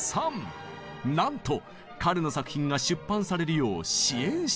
なんと彼の作品が出版されるよう支援してくれたのです。